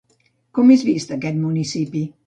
Com és vist aquest municipi?